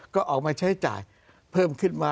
ก็เอามาใช้จ่ายเพิ่มขึ้นมา